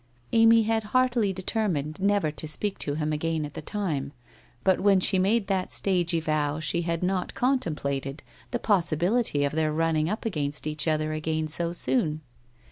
Amy had heartily determined never to speak to him again at the time, but when she made that stagey vow she had not contemplated the possibility of their running up against each other again so soon.